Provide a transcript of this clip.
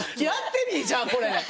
やってみいじゃあこれ。